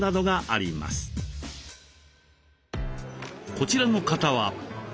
こちらの方は。